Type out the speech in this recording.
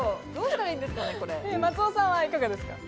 松尾さん、いかがですか？